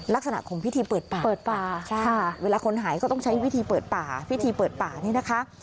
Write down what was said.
ลักษณะของพิธีเปิดป่าค่ะ